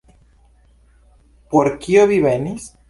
Por kio vi venis?